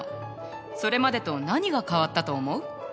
それまでと何が変わったと思う？